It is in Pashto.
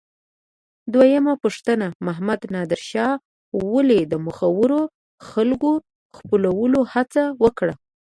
دویمه پوښتنه: محمد نادر شاه ولې د مخورو خلکو خپلولو هڅه وکړه؟